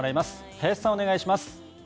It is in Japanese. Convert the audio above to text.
林さん、お願いします。